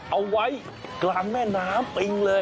เอาไว้กลางแม่น้ำปิงเลย